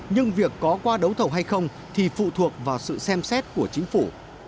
nhưng việc có qua đấu thầu hay không thì phụ thuộc vào sự xem xét của chính phủ